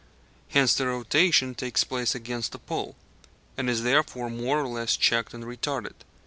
Hence the rotation takes place against a pull, and is therefore more or less checked and retarded.